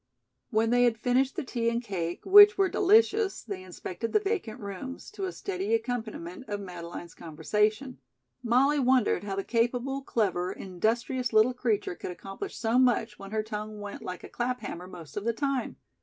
When they had finished the tea and cake, which were delicious, they inspected the vacant rooms, to a steady accompaniment of Madeleine's conversation. Molly wondered how the capable, clever, industrious little creature could accomplish so much when her tongue went like a clap hammer most of the time.